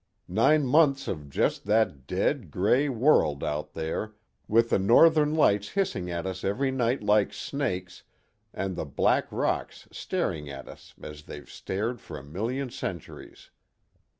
Nine months of just that dead, gray world out there, with the northern lights hissing at us every night like snakes and the black rocks staring at us as they've stared for a million centuries.